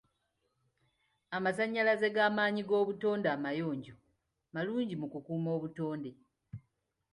Amasanyalaze g'amaanyi g'obutonde amayonjo malungi mu kukuuma obutonde.